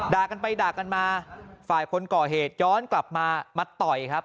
กันไปด่ากันมาฝ่ายคนก่อเหตุย้อนกลับมามาต่อยครับ